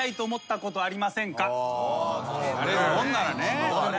なれるもんならね。